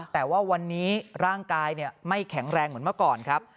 แต่ว่าวันนี้ร่างกายไม่แข็งแรงเหมือนเมื่อก่อนครับ